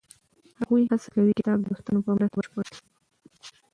هغوی هڅه کوي کتاب د دوستانو په مرسته بشپړ کړي.